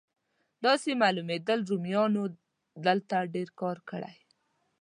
داسې معلومېدل رومیانو دلته ډېر کار کړی.